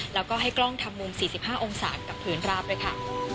แล้วก็ให้กล้องทำมุม๔๕องศากับพื้นราบด้วยค่ะ